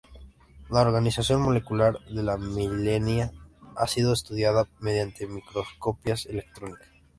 La organización molecular de la mielina ha sido estudiada mediante microscopía electrónica.